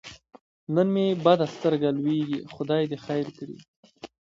نن مې بده سترګه لوېږي خدای دې خیر کړي.